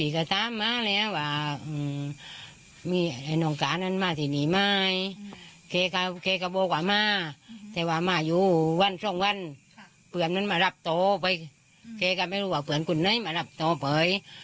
เคยก็ไม่รู้ว่าเผื่อนคุณนั้นมารับโตเผย